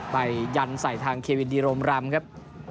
ยันใส่ทางเควินดีโรมรำครับ